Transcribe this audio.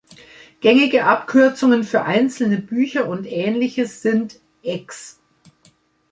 Gängige Abkürzungen für einzelne Bücher und Ähnliches sind "Ex.